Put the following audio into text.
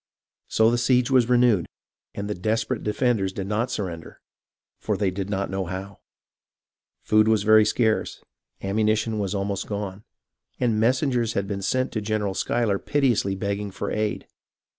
So the siege was renewed, and the desperate defenders did not surrender, for they did not know how. Food was very scarce, ammunition was almost gone, and messengers had been sent to General Schuyler piteously begging for aid.